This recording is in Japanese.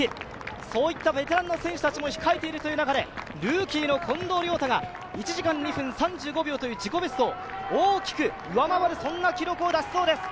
そういったベテランの選手たちも控えている中で、ルーキーの近藤亮太が自己ベストを大きく上回る記録を出しそうです。